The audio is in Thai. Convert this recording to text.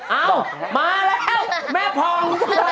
เอามาแล้วแม่ผ่อง